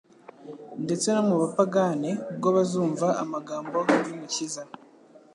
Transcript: ndetse no mu bapagane ubwo bazumva amagambo y'Umukiza